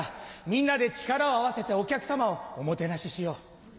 みんなで力を合わせてお客さまをおもてなししよう。